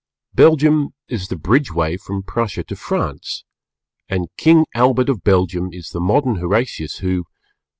Belgium is the Bridgeway from Prussia to France, and King Albert of Belgium is the modern Horatius who _"